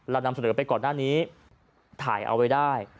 นำเสนอไปก่อนหน้านี้ถ่ายเอาไว้ได้